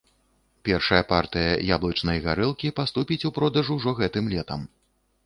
Першая партыя яблычнай гарэлкі паступіць у продаж ужо гэтым летам.